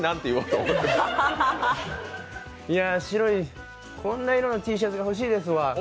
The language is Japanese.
いやぁ、白い、こんな色のＴシャツが欲しいですわ。